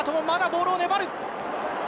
まだボールを粘る。